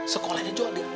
sekolahnya jual nih